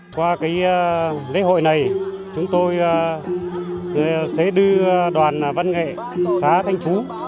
qua cái lễ hội này chúng tôi sẽ đưa đoàn văn nghệ xã thanh phú